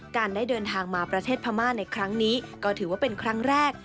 การได้เดินทางมาประเทศพม่าในครั้งนี้ก็ถือว่าเป็นครั้งแรก